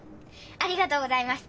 ありがとうございます。